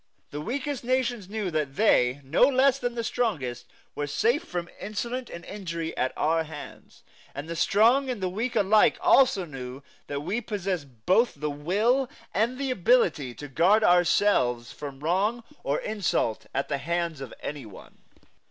The weakest nations knew that they, no less than the strongest, were safe from insult and injury at our hands; and the strong and the weak alike also knew that we possessed both the will and the ability to guard ourselves from wrong or insult at the hands of any one.